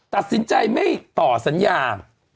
ตัดสินใจไม่ต่อสัญญา